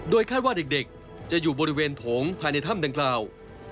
คาดว่าเด็กจะอยู่บริเวณโถงภายในถ้ำดังกล่าว